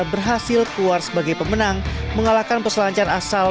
berhasil keluar sebagai pemenang mengalahkan peselancar asal